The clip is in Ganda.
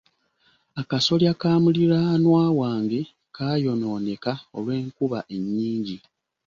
Akasolya ka muliraanwa wange kaayonooneka olw'enkuba ennyingi.